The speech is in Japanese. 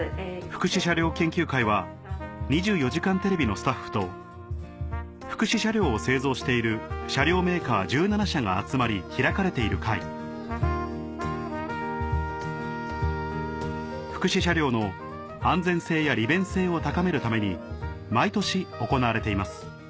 福祉車両研究会は『２４時間テレビ』のスタッフと福祉車両を製造している車両メーカー１７社が集まり開かれている会福祉車両の安全性や利便性を高めるために毎年行われています